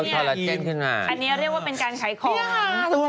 อันนี้เรียกว่าเป็นการขายของ